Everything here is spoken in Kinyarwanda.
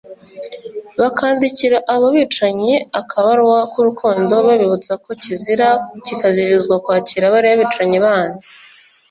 bakandikira abo bicanyi akabaruwa k’urukundo babibutsa ko kizira kikaziririzwa kwakira bariya bicanyi bandi